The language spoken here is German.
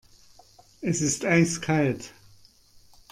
Es ist eiskalt.